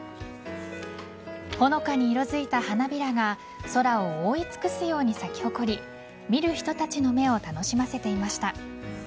ほのかに色づいた花びらが空を覆い尽くすように咲き誇り見る人たちの目を楽しませていました。